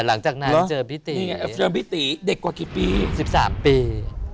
หลังจากนั้นเจอพิติเจอพิติเด็กกว่ากี่ปี๑๓ปี